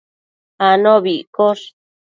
anobi iccosh